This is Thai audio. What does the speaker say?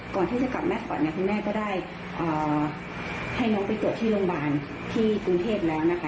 ก่อนที่จะกลับแม่ขวัญเนี่ยคุณแม่ก็ได้ให้น้องไปตรวจที่โรงพยาบาลที่กรุงเทพแล้วนะคะ